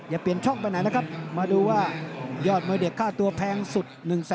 อย่าเปลี่ยนช่องไปไหนนะครับมาดูว่ายอดมวยเด็กค่าตัวแพงสุด